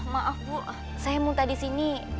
maaf bu saya muntah disini